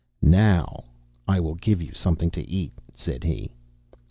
"Now I will give you something to eat," said he.